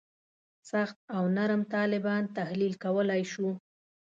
سخت او نرم طالبان تحلیل کولای شو.